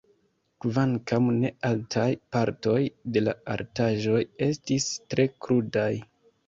Kvankam ne altaj, partoj de la altaĵoj estis tre krudaj.